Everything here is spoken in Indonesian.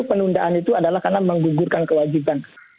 penundaan itu adalah karena menggugurkan kewajiban